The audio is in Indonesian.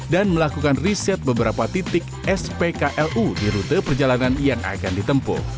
dan melakukan riset beberapa titik spklu di rute perjalanan yang akan ditempuh